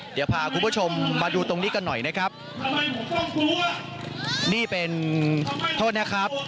เดี๋ยวพาคุณผู้ชมมาดูตรงนี้กันหน่อยนะครับนี่เป็นโทษนะครับ